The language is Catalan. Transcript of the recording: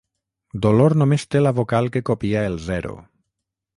Dolor només té la vocal que copia el zero.